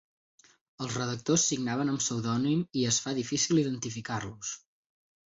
Els redactors signaven amb pseudònim i es fa difícil identificar-los.